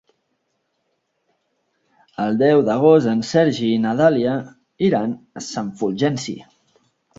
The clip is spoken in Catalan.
El deu d'agost en Sergi i na Dàlia iran a Sant Fulgenci.